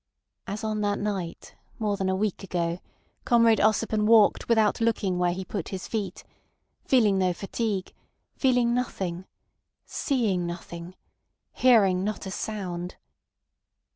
As on that night, more than a week ago, Comrade Ossipon walked without looking where he put his feet, feeling no fatigue, feeling nothing, seeing nothing, hearing not a sound.